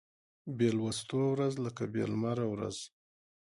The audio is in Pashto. بې لوستلو ورځ لکه بې لمره ورځ